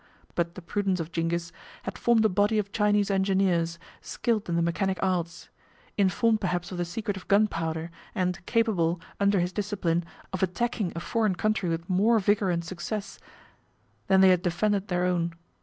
But the prudence of Zingis had formed a body of Chinese engineers, skilled in the mechanic arts; informed perhaps of the secret of gunpowder, and capable, under his discipline, of attacking a foreign country with more vigor and success than they had defended their own.